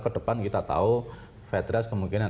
ke depan kita tahu fedrest kemungkinan